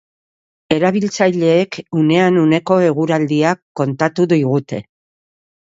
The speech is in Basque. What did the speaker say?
Erabiltzaileek unean uneko eguraldia kontatu digute.